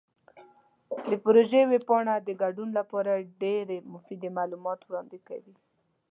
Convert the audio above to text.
د پروژې ویب پاڼه د ګډون لپاره ډیرې مفیدې معلومات وړاندې کوي.